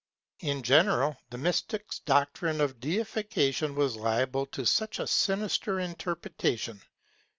In general, the mystics' doctrine of deification was liable to such a sinister interpretation.